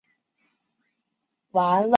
公司被劳工局查到